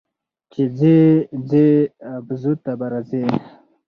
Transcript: چې ځې ځې ابازو ته به راځې